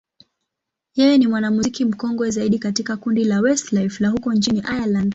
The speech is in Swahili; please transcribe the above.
yeye ni mwanamuziki mkongwe zaidi katika kundi la Westlife la huko nchini Ireland.